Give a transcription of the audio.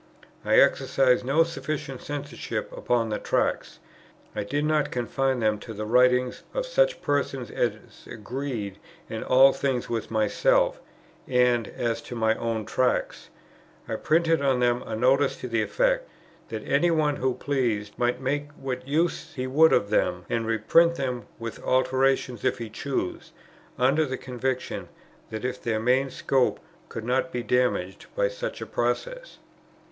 I exercised no sufficient censorship upon the Tracts. I did not confine them to the writings of such persons as agreed in all things with myself; and, as to my own Tracts, I printed on them a notice to the effect, that any one who pleased, might make what use he would of them, and reprint them with alterations if he chose, under the conviction that their main scope could not be damaged by such a process.